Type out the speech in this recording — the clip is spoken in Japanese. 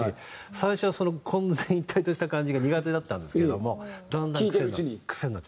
最初は混然一体とした感じが苦手だったんですけどもだんだん癖になる。